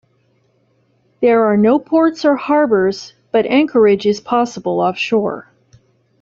There are no ports or harbours but anchorage is possible offshore.